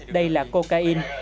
đây là cocaine